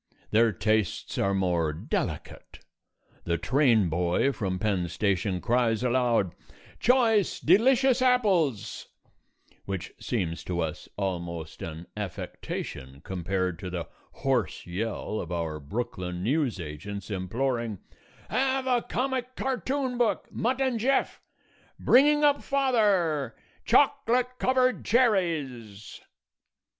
Their tastes are more delicate. The train boy from Penn Station cries aloud "Choice, delicious apples," which seems to us almost an affectation compared to the hoarse yell of our Brooklyn news agents imploring "Have a comic cartoon book, 'Mutt and Jeff,' 'Bringing Up Father,' choclut covered cherries!"